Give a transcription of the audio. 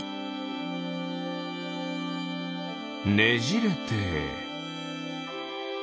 ねじれて。